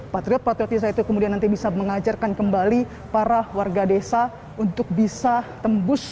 patriot patriot desa itu kemudian nanti bisa mengajarkan kembali para warga desa untuk bisa tembus